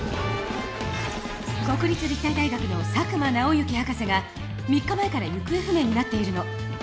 国立立体大学の佐久間直之博士が３日前から行方不明になっているの。